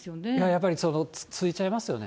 やっぱりついちゃいますよね。